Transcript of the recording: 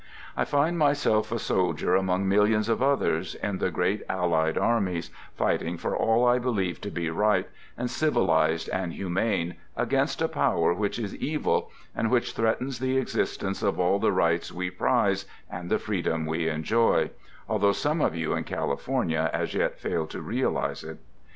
I find myself a soldier among millions of others t in the great Allied Armies, fighting for all I believe to be right and civilized and humane against a power which is evil and which threatens the existence of all the rights we prize and the freedom we enjoy, although some of you in California as yet fail to realize it.